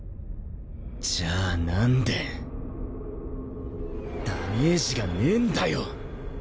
じゃあなんでダメージがねぇんだよ！